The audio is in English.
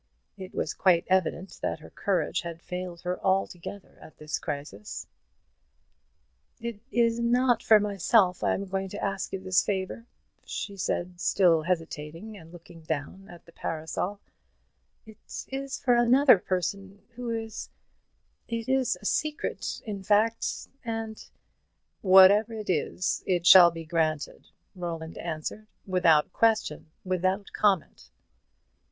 It was quite evident that her courage had failed her altogether at this crisis. "It is not for myself I am going to ask you this favour," she said, still hesitating, and looking down at the parasol; "it is for another person, who it is a secret, in fact, and " "Whatever it is, it shall be granted," Roland answered, "without question, without comment."